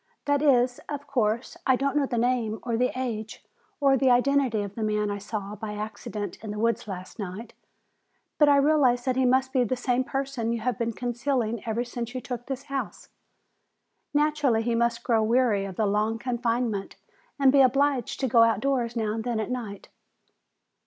"That is, of course, I don't know the name or the age or the identity of the man I saw by accident in the woods last night. But I realize that he must be the same person you have been concealing ever since you took this house. Naturally he must grow weary of the long confinement and be obliged to go outdoors now and then at night."